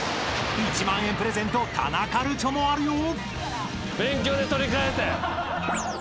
［１万円プレゼントタナカルチョもあるよ］